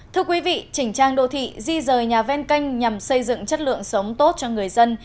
thưa quý vị chỉnh trang đô thị di rời nhà ven canh nhằm xây dựng chất lượng sống tốt cho người dân